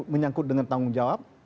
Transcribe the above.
menyangkut dengan tanggung jawab